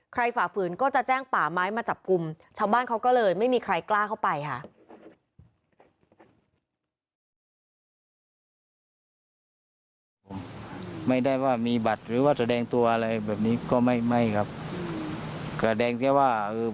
ฝ่าฝืนก็จะแจ้งป่าไม้มาจับกลุ่มชาวบ้านเขาก็เลยไม่มีใครกล้าเข้าไปค่ะ